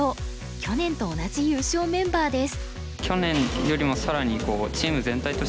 去年と同じ優勝メンバーです。